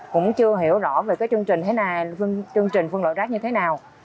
cũng chưa hiểu rõ về cái chương trình thế này chương trình phân loại rác như thế nào